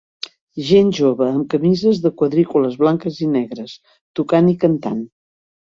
Gent jove amb camises de quadrícules blanques i negres, tocant i cantant.